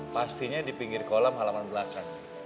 pastinya di pinggir kolam halaman belakang